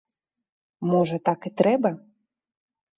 Можа так і трэба?